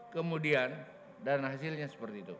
kemudian dan hasilnya seperti itu